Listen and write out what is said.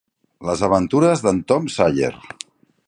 Les aventures d'en Tom Sawyer.